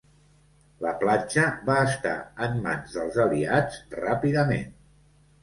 La platja va estar en mans dels aliats ràpidament.